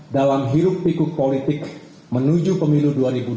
dalam hirup pikuk politik menuju pemilu dua ribu dua puluh